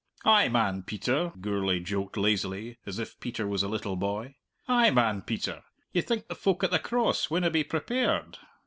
"Ay, man, Peter," Gourlay joked lazily, as if Peter was a little boy. "Ay, man, Peter. You think the folk at the Cross winna be prepared?"